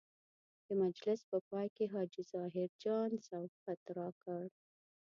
د مجلس په پای کې حاجي ظاهر جان سوغات راکړ.